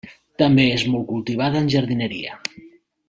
També és molt cultivada en jardineria.